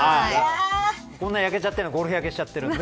こんな焼けちゃってるのゴルフ焼けしちゃってるんで。